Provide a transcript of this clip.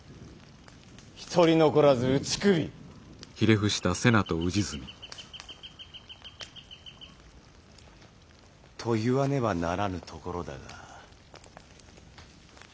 一人残らず打ち首！と言わねばならぬところだが。